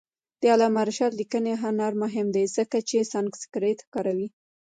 د علامه رشاد لیکنی هنر مهم دی ځکه چې سانسکریت کاروي.